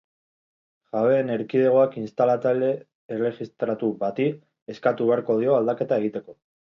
Jabeen erkidegoak instalatzaile erregistratu bati eskatu beharko dio aldaketa egiteko.